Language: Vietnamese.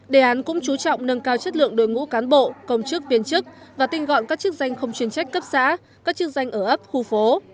đề án cũng chú trọng nâng cao chất lượng đội ngũ cán bộ công chức viên chức và tinh gọn các chức danh không chuyên trách cấp xã các chức danh ở ấp khu phố